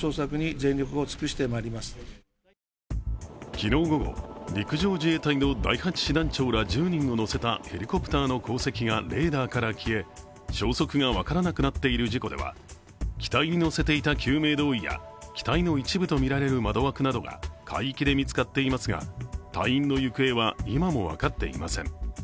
昨日午後、陸上自衛隊の第８師団長ら１０人を乗せたヘリコプターの航跡がレーダーから消え、消息が分からなくなっている事故では、機体に載せていた救命胴衣や機体の一部とみられる窓枠などが海域で見つかっていますが隊員の行方は今も分かっていません。